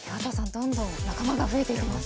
どんどん仲間が増えていきます。